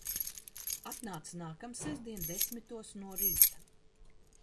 Atnāc nākamsestdien desmitos no rīta.